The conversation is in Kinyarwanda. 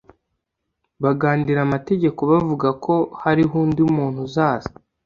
bagandira amategeko bavuga ko hariho undi muntu uzaza